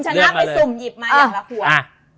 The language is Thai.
นี่ความหวังอยู่ที่คุณแล้วนะ